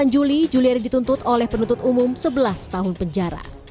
dua puluh delapan juli juliari dituntut oleh penuntut umum sebelas tahun penjara